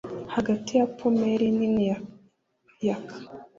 Hagati ya pommel nini yaka